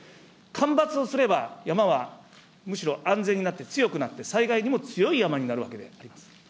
間伐をすれば山はむしろ安全になって、強くなって、災害にも強い山になるわけであります。